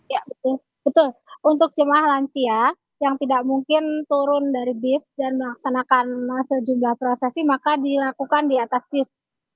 ya betul untuk jemaah lansia yang tidak mungkin turun dari bis dan melaksanakan sejumlah prosesi maka dilakukan di atas bis